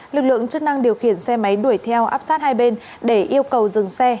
lực lượng chức năng điều khiển xe máy đuổi theo áp sát hai bên để yêu cầu dừng xe